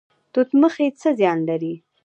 توت مخي څه زیان لري؟